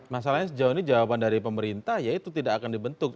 masalahnya sejauh ini jawaban dari pemerintah ya itu tidak akan dibentuk